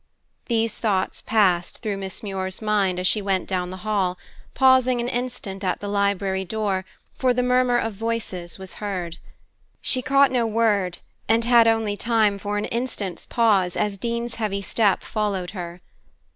These thoughts passed through Miss Muir's mind as she went down the hall, pausing an instant at the library door, for the murmur of voices was heard. She caught no word, and had only time for an instant's pause as Dean's heavy step followed her.